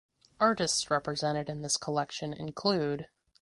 Artists represented in this collection include